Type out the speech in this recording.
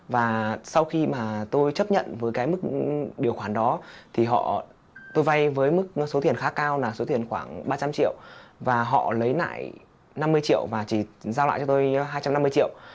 và sau khi mà tôi chấp nhận với cái mức điều khoản đó thì tôi vay với mức số tiền khá cao là số tiền khoảng ba trăm linh triệu và họ lấy lại năm mươi triệu và chỉ giao lại cho tôi hai trăm năm mươi triệu